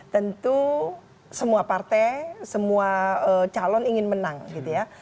tentu semua partai semua calon ingin menang gitu ya